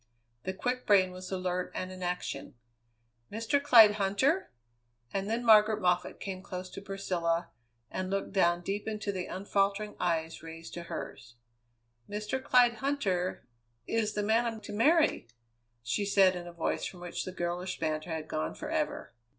The quick brain was alert and in action. "Mr. Clyde Huntter?" And then Margaret Moffatt came close to Priscilla, and looked down deep into the unfaltering eyes raised to hers. "Mr. Clyde Huntter is the man I am to marry!" she said in a voice from which the girlish banter had gone forever.